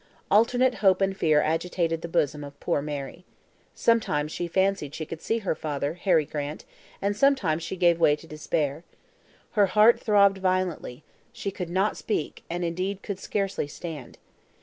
Alternate hope and fear agitated the bosom of poor Mary. Sometimes she fancied she could see her father, Harry Grant, and sometimes she gave way to despair. Her heart throbbed violently; she could not speak, and indeed could scarcely stand.